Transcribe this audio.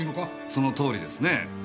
そのとおりですねぇ。